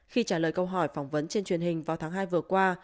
khi trả lời câu hỏi phỏng vấn trên truyền hình vào tháng hai vừa qua